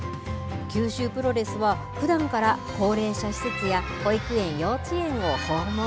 九州プロレスは、ふだんから高齢者施設や保育園、幼稚園を訪問。